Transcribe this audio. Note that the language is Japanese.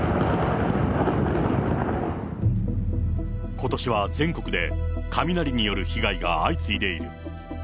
ことしは全国で、雷による被害が相次いでいる。